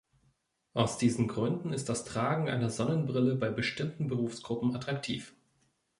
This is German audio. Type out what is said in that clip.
Aus diesen Gründen ist das Tragen einer Sonnenbrille bei bestimmten Berufsgruppen attraktiv.